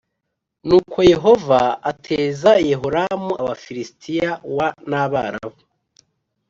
Nuko Yehova ateza Yehoramu Abafilisitiya w n Abarabu